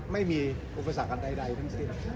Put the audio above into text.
ไม่มีอุปสรรคกันใดทั้งสิ้น